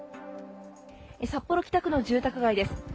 札幌北区の住宅街です。